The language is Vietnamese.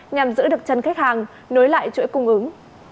nhằm giữ được chân khách hàng nối lại chuỗi cung ứng